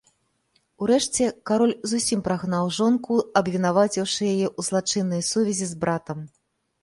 Урэшце, кароль зусім прагнаў жонку, абвінаваціўшы яе ў злачыннай сувязі з братам.